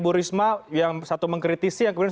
bu risma yang satu mengkritisi yang kemudian